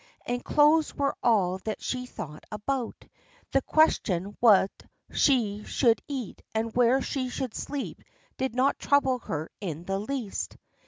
And clothes were all she thought about: the question what she should eat and where she should sleep did not trouble her in the least.